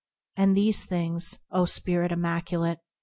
And these things, O spirit immaculate